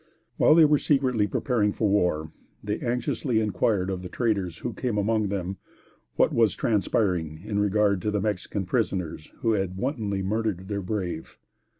While they were secretly preparing for war, they anxiously inquired of the traders who came among them, what was transpiring in regard to the Mexican prisoners who had wantonly murdered their brave.